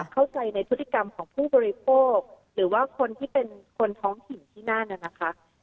เข้าใจในพฤติกรรมของผู้บริโภคหรือว่าคนที่เป็นคนท้องถิ่นที่นั่นน่ะนะคะ